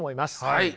はい！